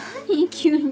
急に。